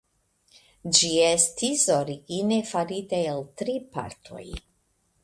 Ĝi estis origine farita el tri partoj.